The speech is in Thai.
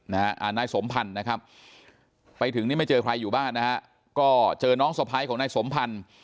นายสมพันธ์นะครับไปถึงนี่ไม่เจอใครอยู่บ้านนะฮะก็เจอน้องสะพ้ายของนายสมพันธ์